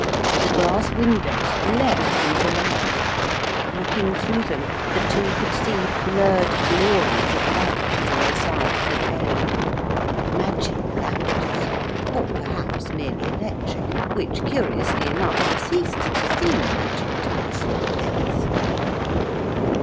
The glass windows leaped into light, looking through them the two could see blurred glories of lamps in the side of the cave, magic lamps, or perhaps merely electric, which, curiously enough have ceased to seem magic to us nowadays.